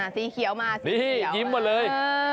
สีเขียวมาสีเขียวนี่ยิ้มมาเลย